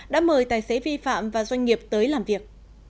đã mời tài xế vi phạm và doanh nghiệp tới làm việc